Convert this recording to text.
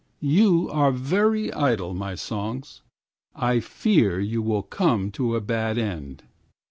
3You are very idle, my songs,4I fear you will come to a bad end.